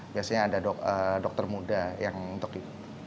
biasanya ada dokter muda yang untuk di